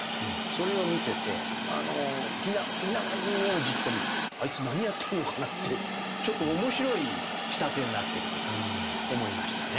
それを見てて雛が人間をじっと見てあいつ何やってんのかな？ってちょっと面白い仕立てになってる句だと思いましたね